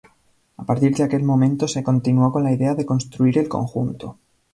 A partir de aquel momento se continuó con la idea de construir el conjunto.